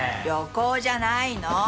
旅行じゃないの！